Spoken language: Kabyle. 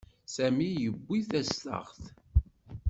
Sami yewwi tastaɣt.